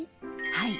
はい。